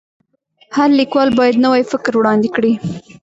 هر لیکوال باید نوی فکر وړاندي کړي.